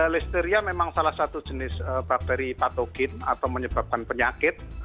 listeria memang salah satu jenis bakteri patogen atau menyebabkan penyakit